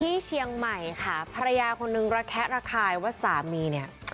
ที่เชียงใหม่ค่ะภรรยาคนนึงระแคะระคายว่าสามีเนี่ย